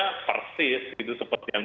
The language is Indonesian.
tidak persis gitu seperti yang